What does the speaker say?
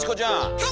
はい！